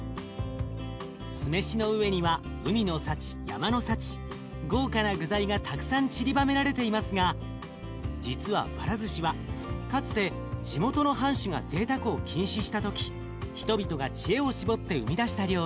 酢飯の上には海の幸山の幸豪華な具材がたくさんちりばめられていますが実はばらずしはかつて地元の藩主がぜいたくを禁止した時人々が知恵を絞って生み出した料理。